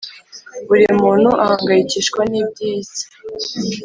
Buri muntu ahangayikishwa n iby isi